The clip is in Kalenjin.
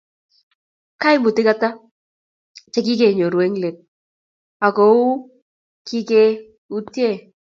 kaimutik ata che kikenyoru eng' let aku kikeyutie?